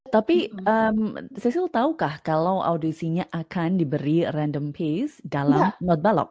tapi cecil tau kah kalau audisinya akan diberi random piece dalam not balog